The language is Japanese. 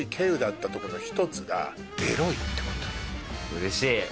うれしい！